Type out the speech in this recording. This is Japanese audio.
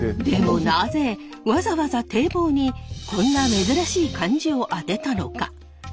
でもなぜわざわざ堤防にこんな珍しい漢字を当てたのか？